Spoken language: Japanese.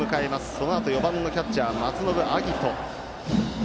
そのあと４番のキャッチャー松延晶音。